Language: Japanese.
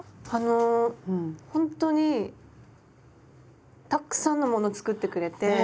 あのほんとにたっくさんのもの作ってくれて。